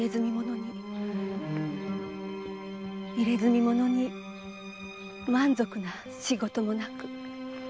入れ墨者に満足な仕事もなく。